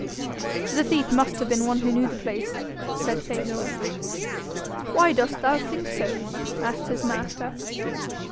'The thief must have been one who knew the place,' said Faithful. 'Why dost thou think so?' asked his master.